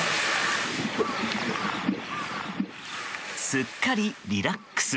すっかりリラックス。